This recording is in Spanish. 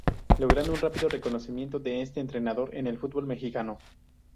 Logrando un rápido reconocimiento de este entrenador en el fútbol mexicano.